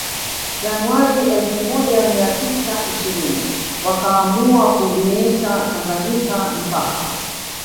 Januari elfu moja mia tisa ishirini wakaamua kuliita Tanganyika mipaka